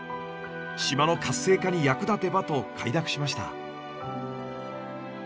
島の活性化に役立てばと快諾しました。